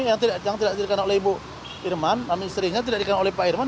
yang tidak dikenal oleh ibu irman namun istrinya tidak dikenal oleh pak irman